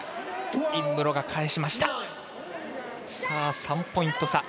３ポイント差。